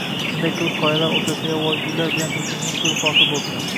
Shunday qilib, qoyalar o‘rtasida yovvoyi gullar bilan burkangan ko‘l hosil bo‘libdi